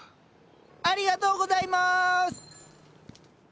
ありがとうございます！